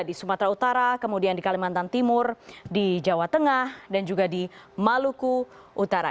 di sumatera utara kemudian di kalimantan timur di jawa tengah dan juga di maluku utara